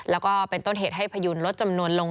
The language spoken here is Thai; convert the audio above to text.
แล้วก็เป็นต้นเหตุให้พยุนลดจำนวนลง